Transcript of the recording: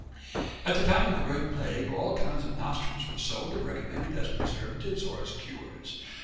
At the time of the Great Plague all kinds of nostrums were sold and recommended as preservatives or as cures.